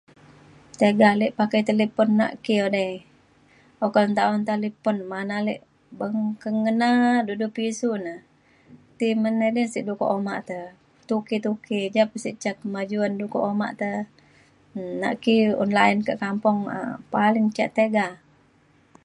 tiga ale pakai talipon nak ki odai oka nta un talipon ma’an ale beng ke ngena du dau pisiu na ti men edei sik du ke uma te tuki tuki ja pa sik ca kemajuan du kak uma te um nak ki un line kak kampung a’ak paling ca tiga